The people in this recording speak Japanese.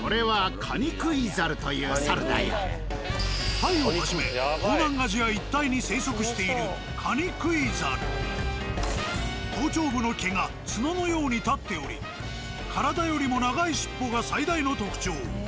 タイをはじめ東南アジア一帯に生息している頭頂部の毛がツノのように立っており体よりも長い尻尾が最大の特徴。